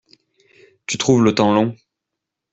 Tu trouves le temps long.